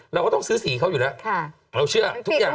เราก็ต้องซื้อสีเขาอยู่แล้วเราเชื่อทุกอย่าง